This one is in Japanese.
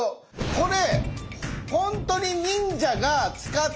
これ。